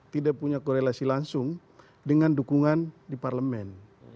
tidak punya korelasi langsung dengan dukungan di parlemen